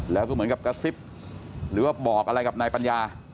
แล้วก็เหมือนกับกระซิบหรือว่าบอกอะไรกับนายปัญญา